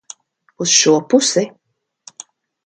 Uz šo pusi?